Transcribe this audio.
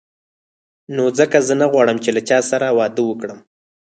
نو ځکه زه نه غواړم چې له چا سره واده وکړم.